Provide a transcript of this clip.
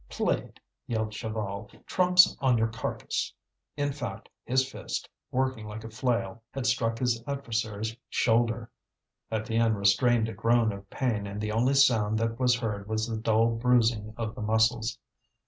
"Played!" yelled Chaval; "trumps on your carcass!" In fact his fist, working like a flail, had struck his adversary's shoulder. Étienne restrained a groan of pain and the only sound that was heard was the dull bruising of the muscles.